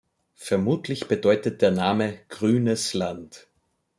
Vermutlich bedeutet der Name „Grünes Land“.